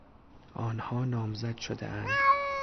آنها نامزد شدهاند.